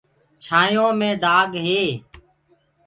چآننهڻيو مي دآگ هي